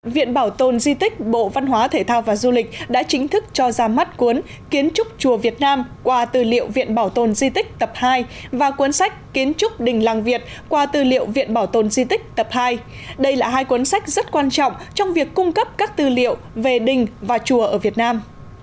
viện bảo tồn di tích bộ văn hóa thể thao và du lịch đã chính thức cho ra mắt cuốn kiến trúc chùa việt nam qua tư liệu viện bảo tồn di tích tập hai và cuốn sách kiến trúc đình làng việt qua tư liệu viện bảo tồn di tích tập hai đây là hai cuốn sách rất quan trọng trong việc cung cấp các tư liệu về đình và chùa ở việt nam